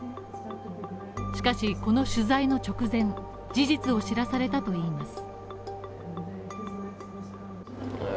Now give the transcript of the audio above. しかし、この取材の直前、事実を知らされたといいます。